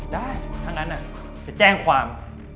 ได้ทั้งนั้นน่ะจะแจ้งความ